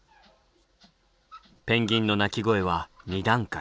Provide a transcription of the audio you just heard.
ペンギンの鳴き声は２段階。